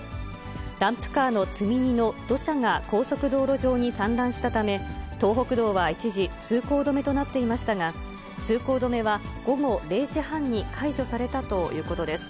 ダンプカーの積み荷の土砂が高速道路上に散乱したため、東北道は一時、通行止めとなっていましたが、通行止めは午後０時半に解除されたということです。